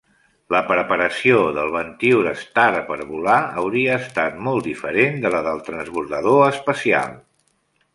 La preparació del VentureStar per volar hauria estat molt diferent de la del transbordador espacial.